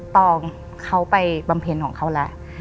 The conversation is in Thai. ตองเขาไปบำเพ็ญของเขาแล้ว